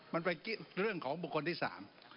มันไปคิดเรื่องของบุคคลที่สาม